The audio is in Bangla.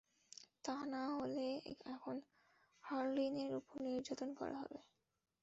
তা না হলে, এখন হারলিনের উপর নির্যাতন করা হবে।